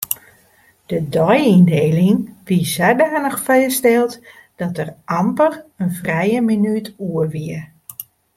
De deiyndieling wie sadanich fêststeld dat der amper in frije minút oer wie.